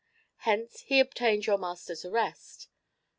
Hence he obtained your master's arrest.